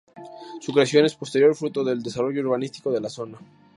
Su creación es posterior fruto del desarrollo urbanístico de la zona.